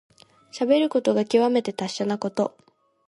しゃべることがきわめて達者なこと。